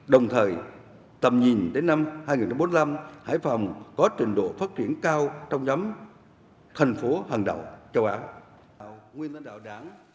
đồng thời tầm nhìn đến năm hai nghìn bốn mươi năm hải phòng có truyền độ phát triển cao trong nhóm thành phố hoàng đạo châu á